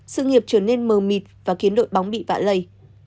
sự nghiệp trở nên mờ mịt và khiến đội bóng bị vạ lây